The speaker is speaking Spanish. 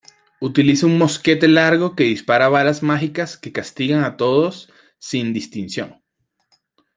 Utiliza un mosquete largo que dispara balas mágicas que "castigan a todos sin distinción".